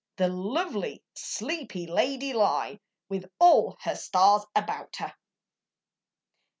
The lovely sleepy lady lie, With all her stars about her!